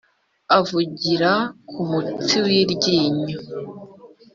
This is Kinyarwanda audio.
avugira ku mutsi w’iryinyo